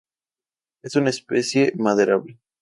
Es una especie maderable.